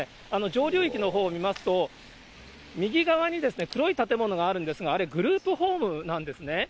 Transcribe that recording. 上流域のほうを見ますと、右側に黒い建物があるんですが、あれ、グループホームなんですね。